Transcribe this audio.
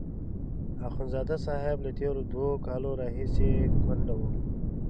اخندزاده صاحب له تېرو دوو کالو راهیسې کونډ وو.